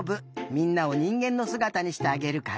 みんなをにんげんのすがたにしてあげるから。